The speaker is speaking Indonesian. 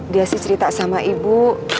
dia sih cerita sama ibu